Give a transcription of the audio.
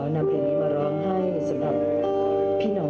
และเพลงเพลงนี้พี่น้อยหม่อมรัมพันธุนกษ์ธุรกุลได้เป็นทาง